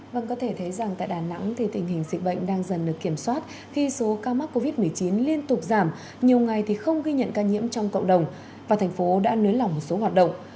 vâng có thể thấy rằng tại đà nẵng thì tình hình dịch bệnh đang dần được kiểm soát khi số ca mắc covid một mươi chín liên tục giảm nhiều ngày thì không ghi nhận ca nhiễm trong cộng đồng và thành phố đã nới lỏng một số hoạt động